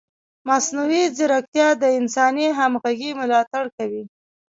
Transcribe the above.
مصنوعي ځیرکتیا د انساني همغږۍ ملاتړ کوي.